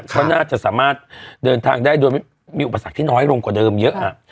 ก็น่าจะสามารถเดินทางได้โดยไม่มีอุปสรรคที่น้อยลงกว่าเดิมเยอะ